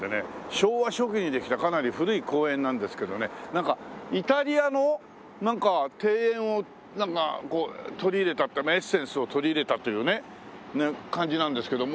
昭和初期にできたかなり古い公園なんですけどねなんかイタリアの庭園をこう取り入れたってエッセンスを取り入れたというね感じなんですけども。